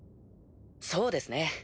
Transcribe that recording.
そうですね